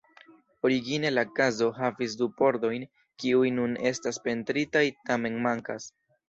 Origine la kazo havis du pordojn, kiuj nun estas pentritaj, tamen mankas.